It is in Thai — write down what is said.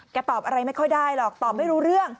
ตอบอะไรไม่ค่อยได้หรอกตอบไม่รู้เรื่อง